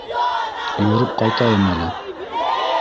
Йөрөп ҡайтайым әле.